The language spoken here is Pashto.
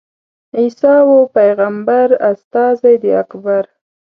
عیسی وو پېغمبر استازی د اکبر.